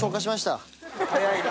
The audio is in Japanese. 早いな。